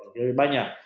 jauh lebih banyak